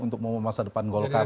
untuk memasak depan golkar